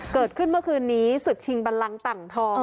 เกิดขึ้นเมื่อคืนนี้ศึกชิงบันลังต่างทอง